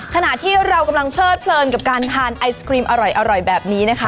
ขณะที่เรากำลังเพลิดเพลินกับการทานไอศครีมอร่อยแบบนี้นะคะ